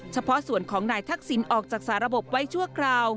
เฉพาะส่วนของนายทักษิณออกจากสารบไว้ชั่วคราว